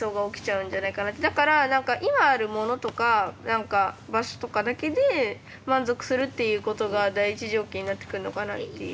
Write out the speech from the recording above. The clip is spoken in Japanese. だから何か今あるものとか何か場所とかだけで満足するっていうことが第一条件になってくんのかなっていう。